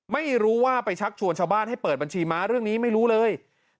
ไม่รู้ว่าไปชักชวนชาวบ้านให้เปิดบัญชีม้าเรื่องนี้ไม่รู้เลย